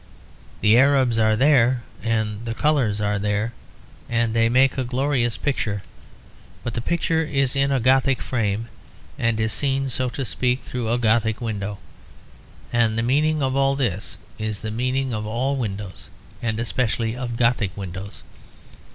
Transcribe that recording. The Arabs are there and the colours are there, and they make a glorious picture; but the picture is in a Gothic frame, and is seen so to speak through a Gothic window. And the meaning of all this is the meaning of all windows, and especially of Gothic windows.